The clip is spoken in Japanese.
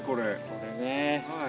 これね。